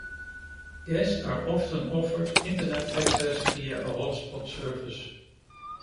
Guests are often offered Internet access via a hotspot service.